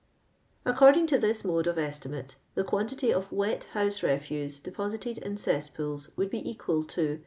According to tliis mode of estimate, the quan tity of wet house refiiHo deposited in cessjuwU would be equal ^> l.